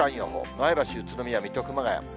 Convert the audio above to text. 前橋、宇都宮、水戸、熊谷。